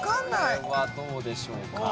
これはどうでしょうか？